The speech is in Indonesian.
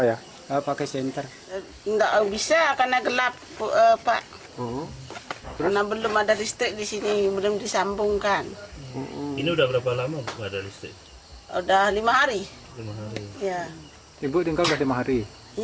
tapi semalam di situ waktu gunung erupsi